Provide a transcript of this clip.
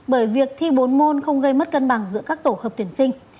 bởi việc thi bốn môn không gây mất cân bằng giữa các tổ hợp tuyển sinh